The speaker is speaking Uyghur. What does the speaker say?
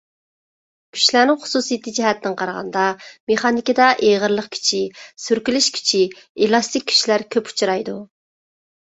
كۈچلەرنىڭ خۇسۇسىيىتى جەھەتتىن قارىغاندا، مېخانىكىدا ئېغىرلىق كۈچى، سۈركىلىش كۈچى، ئېلاستىك كۈچلەر كۆپ ئۇچرايدۇ.